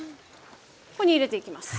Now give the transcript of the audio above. ここに入れていきます。